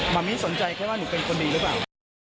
ไม่สนใจแค่ว่าหนูเป็นคนดีหรือเปล่า